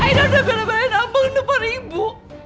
aida udah belain abang depan ibu